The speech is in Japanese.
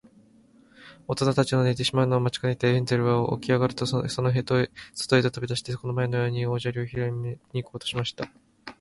おとなたちの寝てしまうのを待ちかねて、ヘンゼルはおきあがると、そとへとび出して、この前のように小砂利をひろいに行こうとしました。